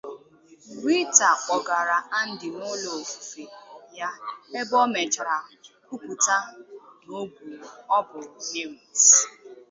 Rita kpọgara Andy n’ụlọ ofufe ya ebe ọ mechara kwupụta na ogburu Merit.